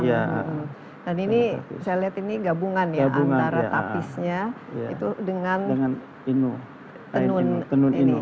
dan ini saya lihat ini gabungan ya antara tapisnya dengan tenun inu